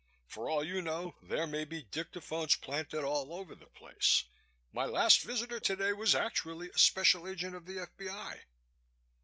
"For all you know there may be dictaphones planted all over the place. My last visitor today was actually a special agent of the F.B.I."